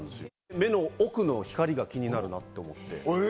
目の奥の光が気になるなって思って。